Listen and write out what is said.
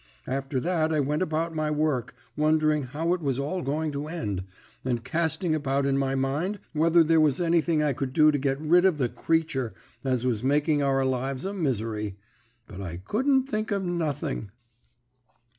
After that I went about my work, wondering how it was all going to end, and casting about in my mind whether there was anything I could do to get rid of the creature as was making our lives a misery. But I couldn't think of nothing.